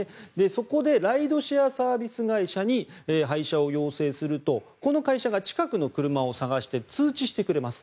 そこでライドシェアサービス会社に配車を要請するとこの会社が近くの車を探して通知してくれます。